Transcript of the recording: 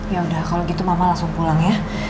yaudah kalo gitu mama langsung pulang ya